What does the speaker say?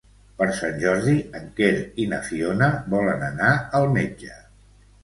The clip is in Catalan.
Per Sant Jordi en Quer i na Fiona volen anar al metge.